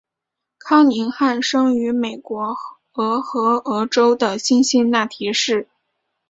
康宁汉生于美国俄亥俄州的辛辛那提市。